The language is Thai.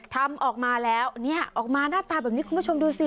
ทำออกมาแล้วเนี่ยออกมาหน้าตาแบบนี้คุณผู้ชมดูสิ